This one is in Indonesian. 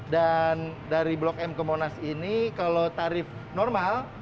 dan dari blok m ke monas ini kalau tarif normal